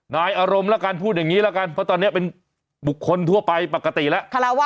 นายอารมณ์แล้วกันพูดอย่างนี้ละกันเพราะตอนนี้เป็นบุคคลทั่วไปปกติแล้ว